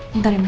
bentar ya mari